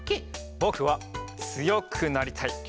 ぼくはつよくなりたい。